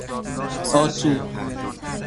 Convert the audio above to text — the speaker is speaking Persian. آسو